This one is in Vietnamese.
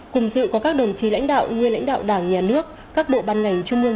cùng dự có các đồng chí lãnh đạo nguyên lãnh đạo đảng nhà nước các bộ ban ngành trung ương